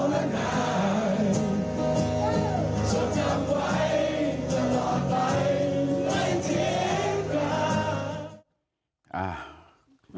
ทุกคนจำไว้จังหว่าไป